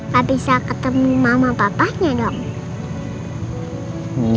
pak bisa ketemu mama papanya dong